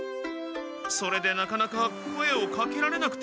それでなかなか声をかけられなくて。